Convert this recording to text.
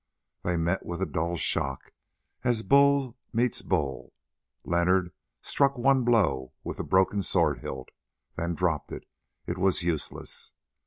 They met with a dull shock as bull meets bull. Leonard struck one blow with the broken sword hilt, then dropped it—it was useless.